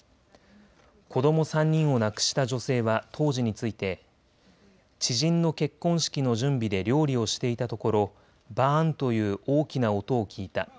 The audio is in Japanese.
子ども３人を亡くした女性は当時について知人の結婚式の準備で料理をしていたところバーンという大きな音を聞いた。